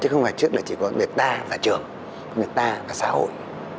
chứ không phải trước là chỉ có việc ta và trường việc ta và xã hội